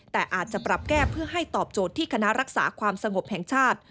แต่อาจจะปรับแก้เพื่อให้ตอบโจทย์ที่คณะรักษาความสงบแห่งชาติ